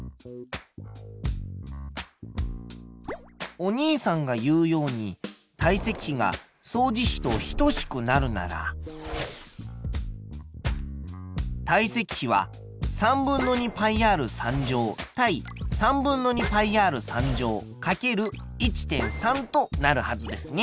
お兄さんが言うように体積比が相似比と等しくなるなら体積比はとなるはずですね。